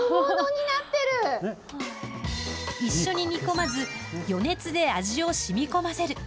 一緒に煮込まず、余熱で味をしみこませる。